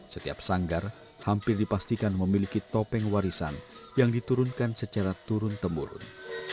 setiap sanggar hampir dipastikan memiliki topeng warisan yang diturunkan secara turun temurun